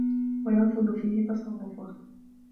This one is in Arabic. وَيَنْفُذُ فِيهِ تَصَرُّفُهُ